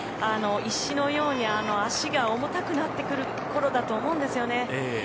石のように足が重たくなってくるころだと思うんですよね。